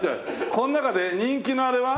この中で人気のあれは？